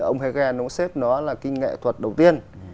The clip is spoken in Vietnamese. ông hegan xếp nó là cái nghệ thuật đầu tiên